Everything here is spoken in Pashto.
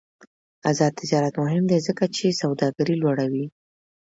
آزاد تجارت مهم دی ځکه چې سوداګري لوړوي.